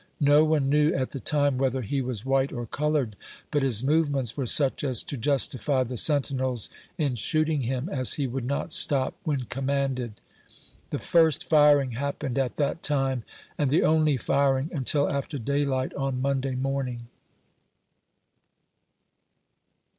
No one knew at the time whether he was white or colored, but his movements were such as to jus tify the sentinels in shooting him, as he would not stop when commanded. The first firing happened at that time, and the only firing, Tmtil after daylight on Monday morning.